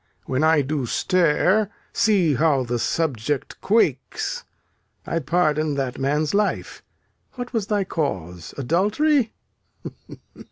When I do stare, see how the subject quakes. I pardon that man's life. What was thy cause? Adultery?